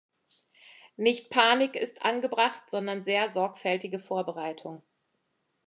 Nicht Panik ist angebracht, sondern sehr sorgfältige Vorbereitung.